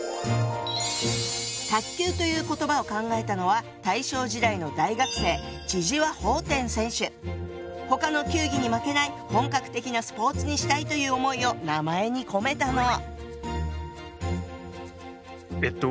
「卓球」という言葉を考えたのは大正時代の大学生他の球技に負けない本格的なスポーツにしたいという思いを名前に込めたの。